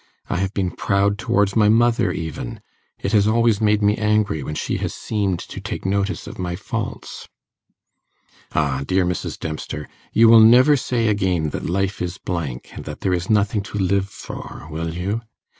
I have been proud towards my mother, even; it has always made me angry when she has seemed to take notice of my faults.' 'Ah, dear Mrs. Dempster, you will never say again that life is blank, and that there is nothing to live for, will you?